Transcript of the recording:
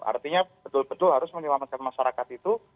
artinya betul betul harus menyelamatkan masyarakat itu